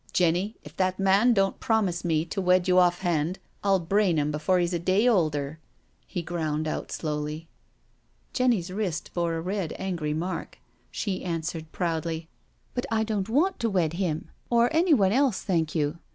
" Jenny, if that man don't promise me to wed you off hand, I'll brain him before he's a day older," he ground out slowly. Jenny's wrist bore, a red, angry mark. She answered proudly 2 '* But I don't want to wed him — or anyone else, thank you.